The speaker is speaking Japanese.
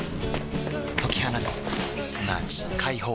解き放つすなわち解放